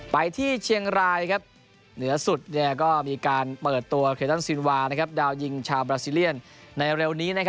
ไปที่เชียงรายเหนือสุดก็มีการเปิดตัวเคตันซินวาดาวยิงชาวบราซิเลียนในเร็วนี้